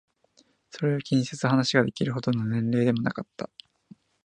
それを気にせず話ができるほどの年齢でもなかった。